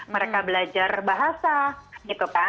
mereka belajar bahasa